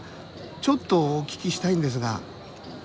ちょっとお聞きしたいんですが。